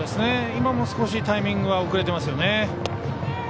今も少しタイミングは遅れてますよね。